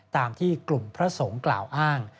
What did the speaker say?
ตามที่กลุ่มพระสงฆ์กล่าวอ้าง